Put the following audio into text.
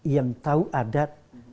yang tahu adat